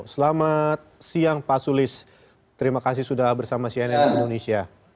selamat siang pak sulis terima kasih sudah bersama cnn indonesia